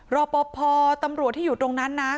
รอปภตำรวจที่อยู่ตรงนั้นนะ